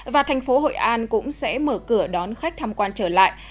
và thành phố hội an cũng sẽ mở cửa đón khách tham quan trở lại